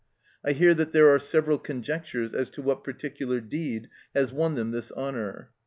I hear that there are several conjectures as to what particular deed has won them this honour.